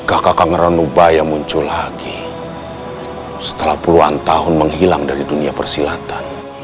aku tidak percaya